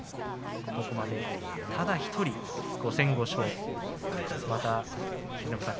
ここまでただ１人５戦５勝秀ノ山さん